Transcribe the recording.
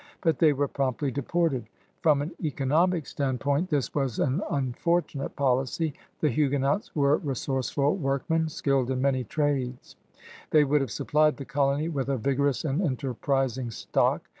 But they were promptly deported. From an economic standpoint 196 CRUSADERS OF NEW FRANCE this was an unfortunate pdicy. The Huguenots were resourceful workmen, skilled in many trades. ThQT would have supplied the colony with a vigor ous and enterprising stock.